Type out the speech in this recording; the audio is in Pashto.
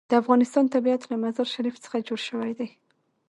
د افغانستان طبیعت له مزارشریف څخه جوړ شوی دی.